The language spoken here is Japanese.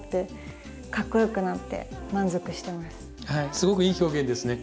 すごくいい表現ですね